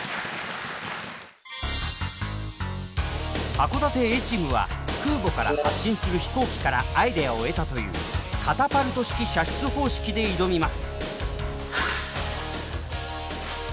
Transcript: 函館Ａチームは空母から発進する飛行機からアイデアを得たというカタパルト式射出方式で挑みます。